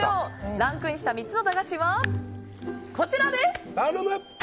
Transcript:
ランクインした３つの駄菓子はこちらです！